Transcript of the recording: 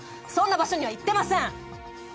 そんな場所には行ってません！